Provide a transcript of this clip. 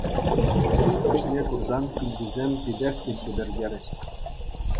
Йыснӑшне курсан килтисем питех те хӗпӗртерӗҫ.